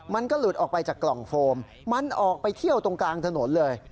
มันก็หลุดออกไปจากกล่องโฟมมันออกไปเที่ยวตรงกลางถนนเลย